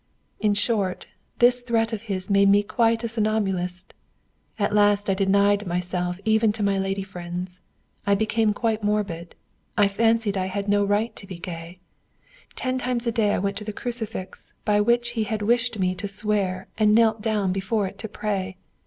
"In short, this threat of his made me quite a somnambulist. At last I denied myself even to my lady friends. I became quite morbid. I fancied I had no right to be gay. Ten times a day I went to the crucifix by which he had wished me to swear and knelt down before it to pray.